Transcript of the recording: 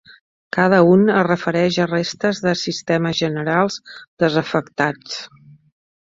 cada un es refereix a restes de sistemes generals desafectats.